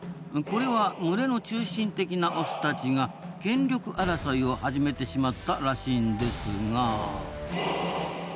これは群れの中心的なオスたちが権力争いを始めてしまったらしいんですが。